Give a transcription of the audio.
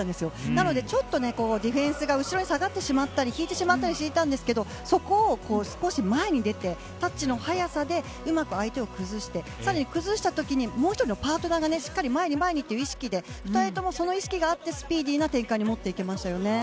なので、ちょっとディフェンスが後ろに下がったり引いてしまったりしていたんですがそこを少し前に出てタッチの早さでうまく相手を崩してそのあとにもう１人のパートナーが前に前にという意識で２人ともその意識があってスピーディーな展開に持っていけましたね。